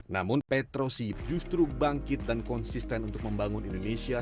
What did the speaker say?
namun petrosi justru bangkit dan konsisten untuk membangun indonesia